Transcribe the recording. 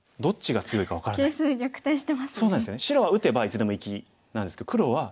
白は打てばいつでも生きなんですけど黒は生きてないですよね。